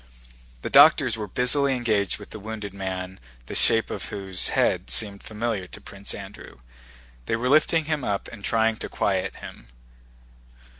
The doctors were busily engaged with the wounded man the shape of whose head seemed familiar to Prince Andrew: they were lifting him up and trying to quiet him.